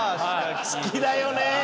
好きだよね。